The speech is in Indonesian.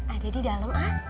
ada di dalam a